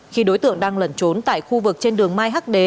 khi đối tượng đang lẩn trốn tại khu vực trên đường mai hắc đế